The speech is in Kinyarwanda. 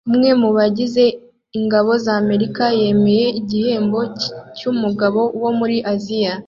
Umwe mu bagize ingabo z’Amerika yemeye igihembo cy’umugabo wo muri Aziya